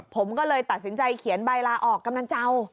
ผมก็เลยตัดสินใจเขียนใบลาออกกำนันเจ้า